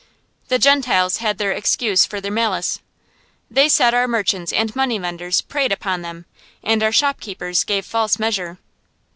The Gentiles had their excuse for their malice. They said our merchants and money lenders preyed upon them, and our shopkeepers gave false measure.